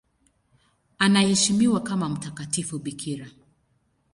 Anaheshimiwa kama mtakatifu bikira.